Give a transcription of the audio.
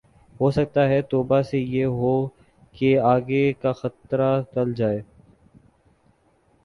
ہوسکتا ہے توبہ سے یہ ہو کہ آگے کا خطرہ ٹل جاۓ